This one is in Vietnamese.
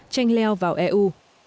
chanh leo vào eu